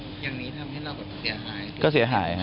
อย่างนี้ทำให้เราเสียหาย